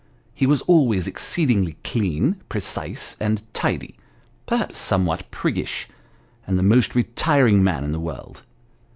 He was always exceedingly clean, precise, and tidy ; perhaps somewhat priggish, and the most retiring man in the world.